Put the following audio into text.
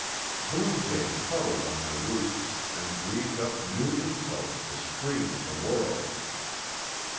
Blue jays huddled on their roosts and dreamed up new insults to scream at the world.